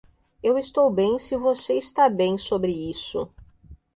Eu estou bem se você está bem sobre isso.